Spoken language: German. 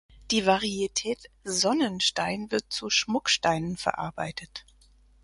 Die Varietät "Sonnenstein" wird zu Schmucksteinen verarbeitet.